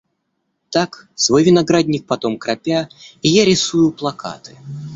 Так, свой виноградник потом кропя, и я рисую плакаты.